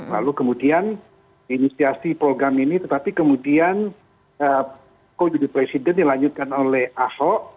lalu kemudian inisiasi program ini tetapi kemudian kok jadi presiden dilanjutkan oleh ahok